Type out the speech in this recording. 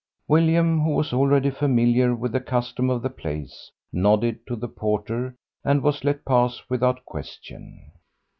William, who was already familiar with the custom of the place, nodded to the porter and was let pass without question.